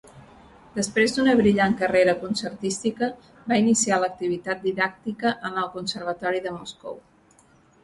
Després d'una brillant carrera concertística, va iniciar l'activitat didàctica en el Conservatori de Moscou.